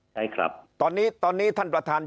ใช่ครับตอนนี้ท่านประธาน